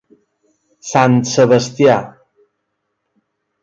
Sant Sebastià.